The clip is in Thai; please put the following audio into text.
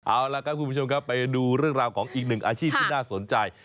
เอาล่ะครับคุณผู้ชมครับไปดูเรื่องราวของอีกหนึ่งอาชีพที่น่าสนใจ